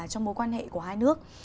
trong mối quan hệ của hai nước